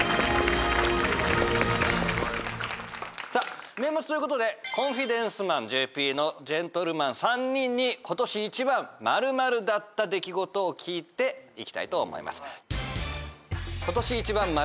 さあ年末ということで『コンフィデンスマンＪＰ』のジェントルマン３人にことし一番○○だった出来事を聞いていきたいと思います。